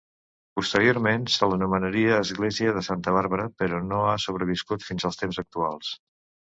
Posteriorment se l'anomenaria església de Santa Bàrbara però no ha sobreviscut fins als temps actuals.